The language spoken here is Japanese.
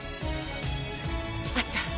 あった。